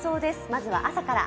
まずは朝から。